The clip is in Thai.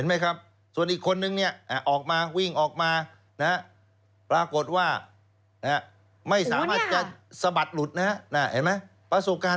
อาวุธมีมั้ย